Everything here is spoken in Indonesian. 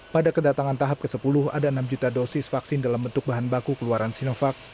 pada kedatangan tahap ke sepuluh ada enam juta dosis vaksin dalam bentuk bahan baku keluaran sinovac